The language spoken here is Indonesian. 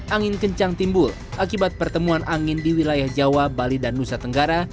angin kencang timbul akibat pertemuan angin di wilayah jawa bali dan nusa tenggara